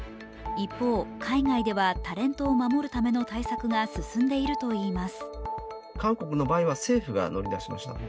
一方、海外ではタレントを守るための対策が進んでいるといいます。